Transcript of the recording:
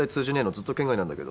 ずっと圏外なんだけど。